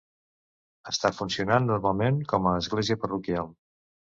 Està funcionant normalment com a església parroquial.